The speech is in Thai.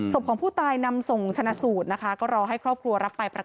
ศพของผู้ตายนำส่งสนัสูตร